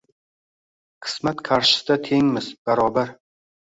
Qismat qarshisida tengmiz, barobar!”